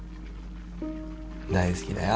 大好きだよ